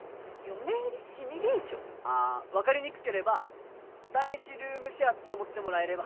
あ分かりにくければお試しルームシェアって思ってもらえれば。